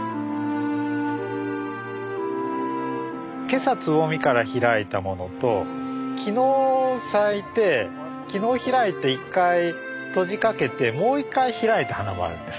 今朝つぼみから開いたものと昨日咲いて昨日開いて１回閉じかけてもう１回開いた花もあるんです。